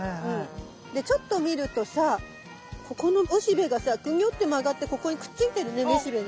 でちょっと見るとさここの雄しべがさグニョって曲がってここにくっついてるね雌しべに。